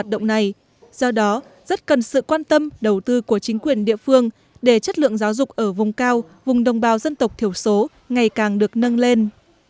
do đó rất cần sự quan tâm đầu tư của chính quyền địa phương để chất lượng giáo dục ở vùng cao vùng đồng bào dân tộc thiểu số ngày càng được nâng lên